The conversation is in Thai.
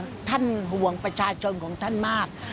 ว่าจะเคยต้องหใจห่วงประชาชนของท่านมาก